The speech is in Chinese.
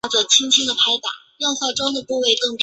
首府贝尔图阿。